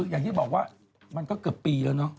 อย่างที่บอกว่ามันก็เกือบปีแล้วเนอะ